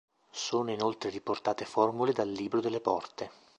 Sono inoltre riportate formule dal Libro delle Porte.